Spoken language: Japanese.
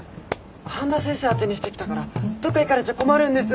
半田先生当てにしてきたからどっか行かれちゃ困るんです。